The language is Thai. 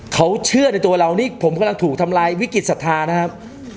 เขาเชื่อในตัวเรานี่ผมกำลังถูกทำลายวิกฤตศรัทธานะครับ